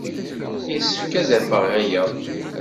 Yessefk ad d-afeɣ aya.